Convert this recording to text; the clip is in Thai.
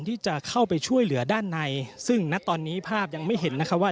ที่จะเข้าไปช่วยเหลือด้านในซึ่งณตอนนี้ภาพยังไม่เห็นนะคะว่า